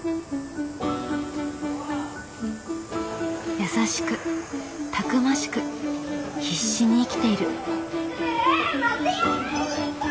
優しくたくましく必死に生きている。